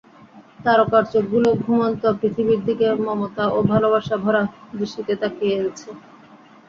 তারকার চোখগুলো ঘুমন্ত পৃথিবীর দিকে মমতা ও ভালবাসায় ভরা দৃষ্টিতে তাকিয়ে আছে।